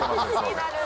気になる。